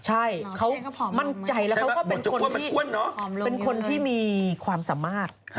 ใช่เขามั่นใจแล้วเขาก็เป็นคนที่มีความสามารถ